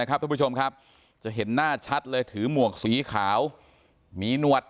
ท่านผู้ชมครับจะเห็นหน้าชัดเลยถือหมวกสีขาวมีหนวด